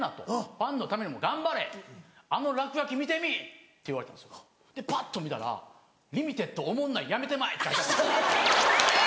ファンのためにも頑張れあの落書き見てみ！って言われたんですよでパッと見たら「リミテッドおもんないやめてまえ」って書いてあった。